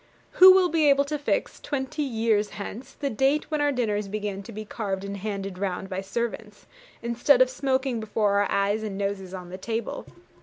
Who will be able to fix, twenty years hence, the date when our dinners began to be carved and handed round by servants, instead of smoking before our eyes and noses on the table?